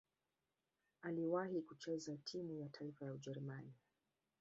Aliwahi kucheza timu ya taifa ya Ujerumani.